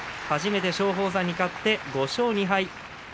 初めて松鳳山に勝って５勝２敗。